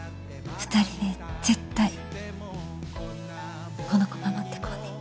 ２人で絶対この子守ってこうね。